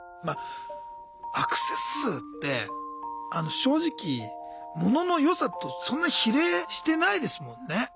まあアクセス数って正直ものの良さとそんな比例してないですもんね。